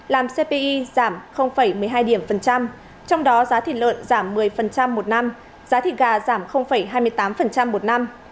làm cpi giảm một mươi hai trong đó giá thịt lợn giảm một mươi một năm giá thịt gà giảm hai mươi tám một năm